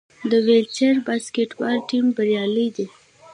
د ویلچیر باسکیټبال ټیم بریالی دی.